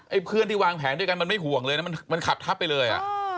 เพื่อนที่วางแผนด้วยกันมันไม่ห่วงเลยนะมันขับทับไปเลยอ่ะ